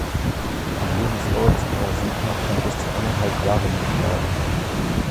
Die Lebensdauer des Parasiten kann bis zu eineinhalb Jahren betragen.